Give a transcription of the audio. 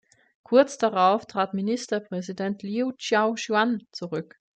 Kurz darauf trat Ministerpräsident Liu Chao-shiuan zurück.